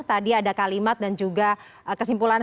tadi ada kalimat dan juga kesimpulan